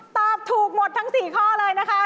ตอบถูกหมดทั้ง๔ข้อเลยนะคะ